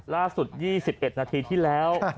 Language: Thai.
ล่าสุด๒๑นาทีที่แล้ว